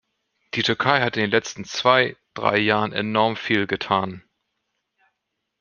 Die Türkei hat in den letzten zwei, drei Jahren enorm viel getan.